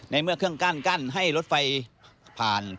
ในเมื่อเครื่องกั้นให้รถไฟผ่าน